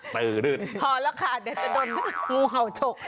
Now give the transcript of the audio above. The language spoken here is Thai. ตื่นพอแล้วค่ะเดี๋ยวจะโดนงูเห่าฉก